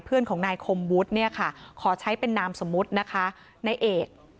เพื่อนของนายคมวุฒิเนี่ยค่ะขอใช้เป็นนามสมมุตินะคะนายเอก